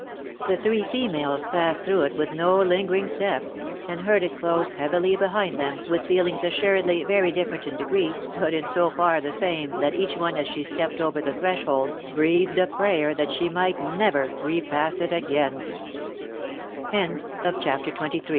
The three females passed through it with no lingering steps, and heard it close heavily behind them, with feelings assuredly very dif ferent in degree, but in so far the same, that each one as she stepped over the threshold, breathed a prayer that she